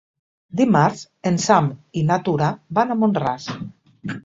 Dimarts en Sam i na Tura van a Mont-ras.